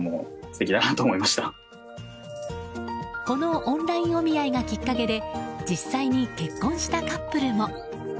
このオンラインお見合いがきっかけで実際に結婚したカップルも。